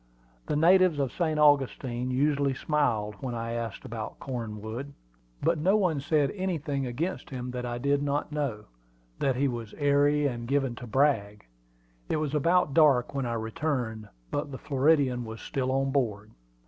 The natives of St. Augustine usually smiled when I asked about Cornwood; but no one said anything against him that I did not know that he was "airy" and given to "brag." It was about dark when I returned, but the Floridian was still on board.